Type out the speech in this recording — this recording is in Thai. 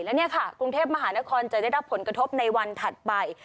และนี่ค่ะกรุงเทพมหานครจะได้รับผลกระทบในวันถัดไป